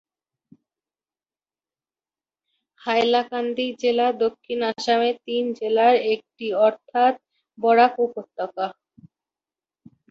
হাইলাকান্দি জেলা দক্ষিণ আসামের তিন জেলার একটি অর্থাৎ বরাক উপত্যকা।